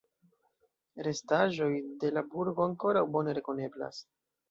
Restaĵoj de la burgo ankoraŭ bone rekoneblas.